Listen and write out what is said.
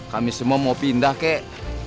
kami semua mau pindah ke